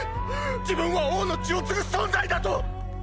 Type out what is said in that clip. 自分は王の血を継ぐ存在だと！